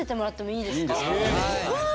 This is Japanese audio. いいですか？